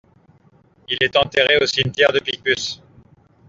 Il est enterré au cimetière de Picpus.